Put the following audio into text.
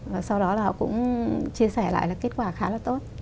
và sau đó là họ cũng chia sẻ lại là kết quả khá là tốt